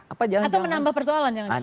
atau menambah persoalan jangan jangan